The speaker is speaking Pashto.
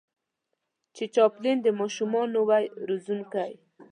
چې چاپلين د ماشومانو وای روزونکی